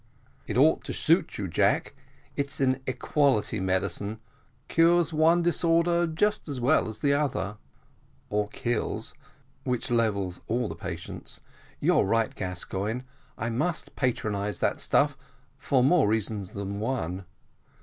"It ought to suit you, Jack; it's an equality medicine; cures one disorder just as well as the other." "Or kills which levels all the patients. You're right, Gascoigne, I must patronise that stuff for more reasons than one.